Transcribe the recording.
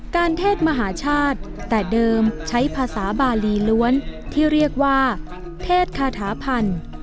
เทศมหาชาติแต่เดิมใช้ภาษาบาลีล้วนที่เรียกว่าเทศคาถาพันธ์